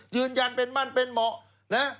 ยืนยันเป็นมั่นเป็นเหมาะนะ